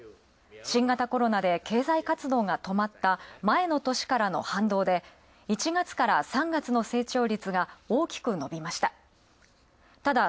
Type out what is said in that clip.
新型コロナで経済活動が止まった前の年からの反動で、１月から３月の成長率が大きく伸びました。